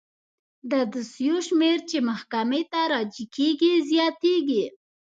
د دوسیو شمیر چې محکمې ته راجع کیږي زیاتیږي.